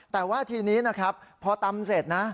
แต่ว่าทีนี้พอตำเสร็จ